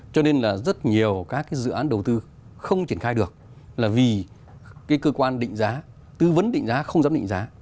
cho nên là rất nhiều các dự án đầu tư không triển khai được là vì cơ quan định giá tư vấn định giá không dám định giá